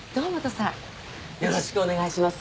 よろしくお願いします